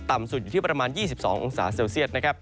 ต่ำสุดอยู่ที่ประมาณ๒๒องศาเซลเซียตนะครับ